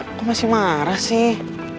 aku masih marah sih